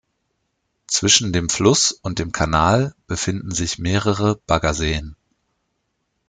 Zwischen dem Fluss und dem Kanal befinden sich mehrere Baggerseen.